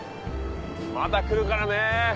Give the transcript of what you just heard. また来るからね！